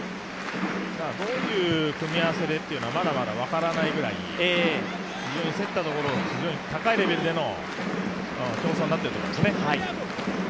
どういう組み合わせでというのはまだまだ分からない、競っているところの高いレベルでの競争になっていると思いますね。